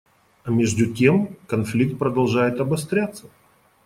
А между тем конфликт продолжает обостряться.